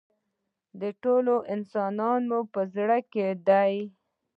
د ټولو انسانانو په زړه کې ده.